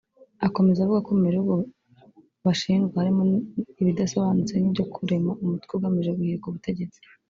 Akomeza avuga ko mu birego bashinjwa harimo ibidasobanutse nk’ibyo kurema umutwe ugamije guhirika ubutegetsi